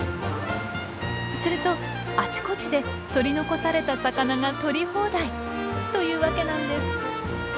するとあちこちで取り残された魚が取り放題というわけなんです。